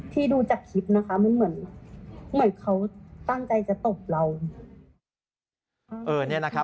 ที่ดูจากคลิปนะคะมันเหมือนเขาตั้งใจจะตบเรา